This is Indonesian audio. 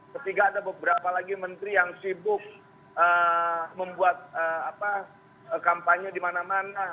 ketiga ada beberapa lagi menteri yang sibuk membuat kampanye di mana mana